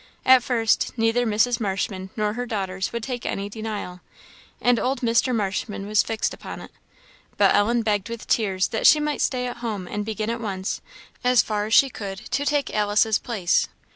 At first, neither Mrs. Marshman nor her daughters would take any denial; and old Mr. Marshman was fixed upon it. But Ellen begged with tears that she might stay at home and begin at once, as far as she could, to take Alice's place.